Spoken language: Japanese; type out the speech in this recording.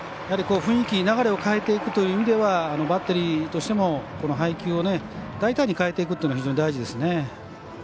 やはり雰囲気や流れを変えていくという意味ではバッテリーとしても配球を大胆に変えていくというのは非常に大事ですね。